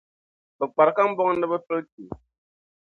Bɛ kpari kambɔŋ ni bɛ pili chi.